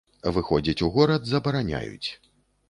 Выходзіць у горад забараняюць.